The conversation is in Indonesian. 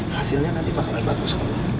hasilnya nanti bakalan bagus